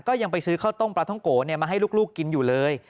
ยังไปซื้อข้าวต้มปลาท้องโกะมาให้ลูกกินอยู่เลย